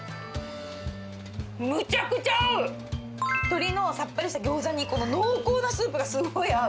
鶏のさっぱりした餃子にこの濃厚なスープがすごい合う。